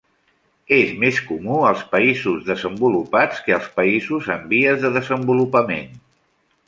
És més comú als països desenvolupats que als països en vies de desenvolupament.